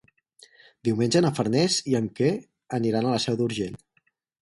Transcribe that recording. Diumenge na Farners i en Quer aniran a la Seu d'Urgell.